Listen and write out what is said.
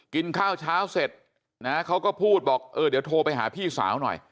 กินข้าวเช้าเสร็จนะเขาก็พูดบอกเออเดี๋ยวโทรไปหาพี่สาวหน่อย